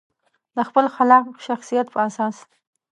د خپل خلاق شخصیت په اساس.